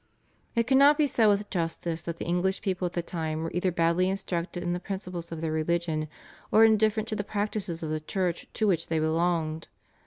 " It cannot be said with justice that the English people at the time were either badly instructed in the principles of their religion or indifferent to the practices of the Church to which they belonged.